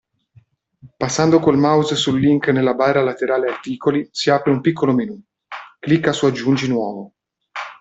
Passando con il mouse sul link nella barra laterale Articoli si apre un piccolo menù, clicca su Aggiungi nuovo.